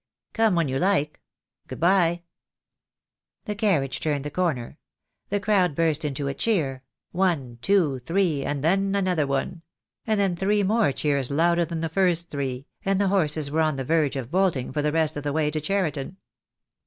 "Come when you like. Good bye." The carriage turned the corner. The crowd burst into a cheer: one, two, three, and then another one: and then three more cheers louder than the first three, and the horses were on the verge of bolting for the rest of the way to Cheriton.